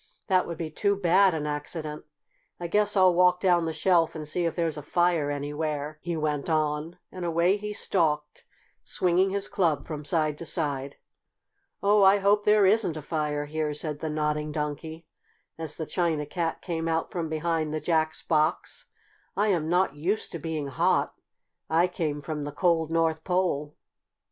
"That would be too bad an accident. I guess I'll walk down the shelf and see if there's a fire anywhere," he went on, and away he stalked, swinging his club from side to side. "Oh, I hope there isn't a fire here," said the Nodding Donkey, as the China Cat came out from behind the Jack's box. "I am not used to being hot. I came from the cold North Pole."